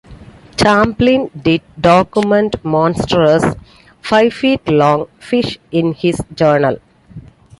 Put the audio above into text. Champlain did document monstrous, "five feet long" fish in his journal.